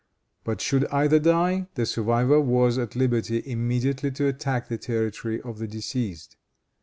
But should either die, the survivor was at liberty immediately to attack the territory of the deceased.